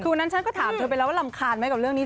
คือนั้นฉันก็ถามเธอไปแล้วว่ารำคาญไหมกับเรื่องนี้